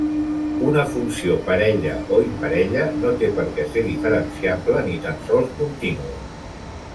Una funció parella o imparella no té per què ser diferenciable, ni tan sols contínua.